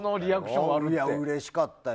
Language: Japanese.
うれしかったよ。